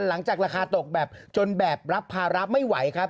หลังจากราคาตกแบบจนแบบรับภาระไม่ไหวครับ